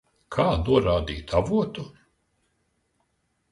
Kā norādīt avotu?